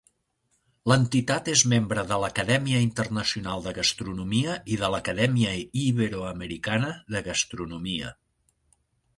L'entitat és membre de l'Acadèmia Internacional de Gastronomia i de l'Acadèmia Iberoamericana de Gastronomia.